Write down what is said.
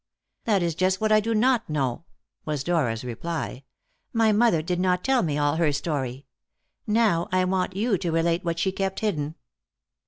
"That is just what I do not know," was Dora's reply. "My mother did not tell me all her story. Now, I want you to relate what she kept hidden."